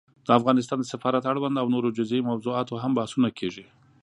د افغانستان د سفارت اړوند او نورو جزيي موضوعاتو هم بحثونه کېږي